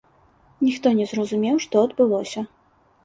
Ніхто не зразумеў, што адбылося.